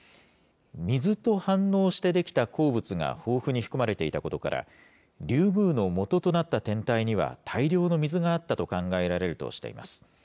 水と反応して出来た鉱物が豊富に含まれていたことから、リュウグウのもととなった天体には、大量の水があったと考えられるとしています。